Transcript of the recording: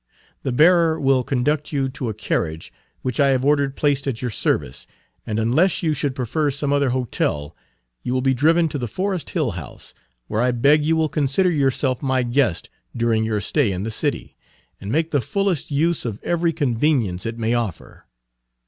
The bearer will conduct you to a carriage which I have ordered placed at your service, and unless you should prefer some other hotel, you will be driven to the Forest Hill House, where I beg you will consider yourself my guest during your stay in the city, and make the fullest use of every convenience it may offer.